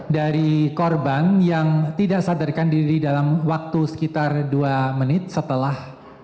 dari korban yang tidak sadarkan diri dalam waktu sekitar dua menit setelah